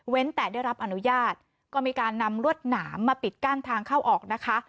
แต่ได้รับอนุญาตก็มีการนำรวดหนามมาปิดกั้นทางเข้าออกนะคะ